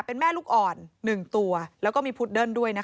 เป็นแม่ลูกอ่อน๑ตัวแล้วก็มีพุดเดิ้ลด้วยนะคะ